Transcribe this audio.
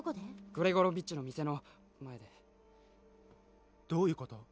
グレゴロビッチの店の前でどういうこと？